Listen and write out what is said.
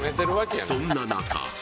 そんな中